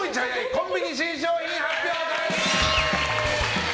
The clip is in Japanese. コンビニ新商品発表会！